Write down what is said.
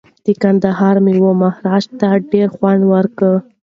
د کندهار میوې مهاراجا ته ډیر خوند ورکوي.